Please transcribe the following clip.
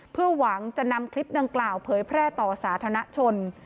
เพื่อหวังจะนำคลิปดังกล่าวเผยแพร่ต่อสาธารณชน